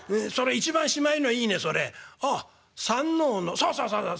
「そうそうそうそう。